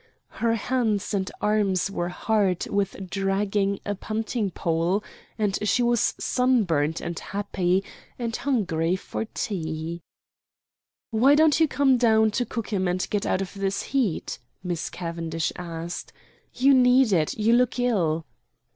Her hands and arms were hard with dragging a punting pole and she was sunburnt and happy, and hungry for tea. "Why don't you come down to Cookham and get out of this heat?" Miss Cavendish asked. "You need it; you look ill."